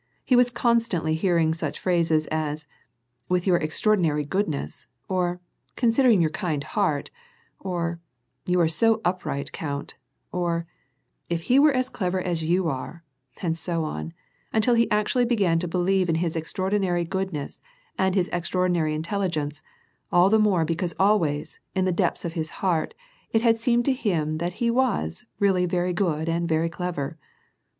He was constantly hearing such phrases as: With jour extraortlinary goodness;'' or, "Considering your kind heart;" or, " You are so upright, count;*' or, "If he were as clever as you are ;" and so on, until he actually began to believe in his extraordinary goodness and his extraordinary intelligence, all the more because always, in the depths of his heart, it had seemed to him that he was really very good and very clever.